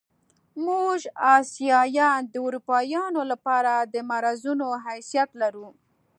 موږ اسیایان د اروپایانو له پاره د مرضونو حیثیت لرو.